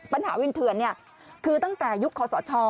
ปัญหาวินเถื่อนคือตั้งแต่ยุคคอสช